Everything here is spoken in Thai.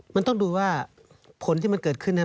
มันต้องดูว่าผลที่มันเกิดขึ้นเนี่ย